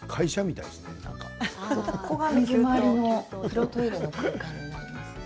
ここが水回りの風呂、トイレの空間になります。